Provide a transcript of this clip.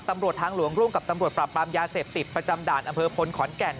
ตำรวจทางหลวงร่วมกับตำรวจปราบปรามยาเสพติดประจำด่านอำเภอพลขอนแก่น